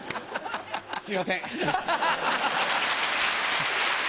すいません。